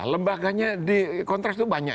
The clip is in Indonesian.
lembaganya di kontras itu banyak